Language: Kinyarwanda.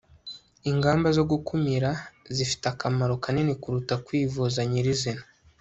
ingamba zo gukumira zifite akamaro kanini kuruta kwivuza nyirizina